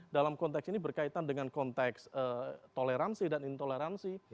dalam konteks ini berkaitan dengan konteks toleransi dan intoleransi